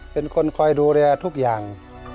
เป็นคนคอยดูแลทุกอย่าง